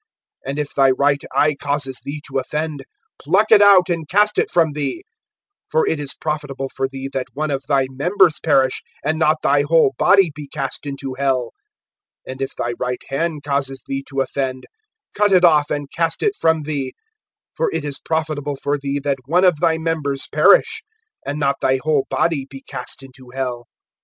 (29)And if thy right eye causes thee to offend, pluck it out and cast it from thee; for it is profitable for thee that one of thy members perish, and not thy whole body be cast into hell. (30)And if thy right hand causes thee to offend, cut it off and cast it from thee; for it is profitable for thee that one of thy members perish, and not thy whole body be cast into hell.